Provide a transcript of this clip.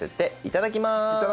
いただきます。